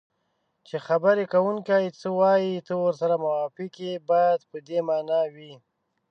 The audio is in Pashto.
چې خبرې کوونکی څه وایي ته ورسره موافق یې باید په دې مانا وي